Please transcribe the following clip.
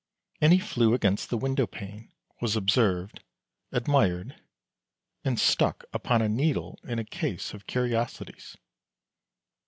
And he flew against the window pane, was observed, admired, and stuck upon a needle in a case of curiosities.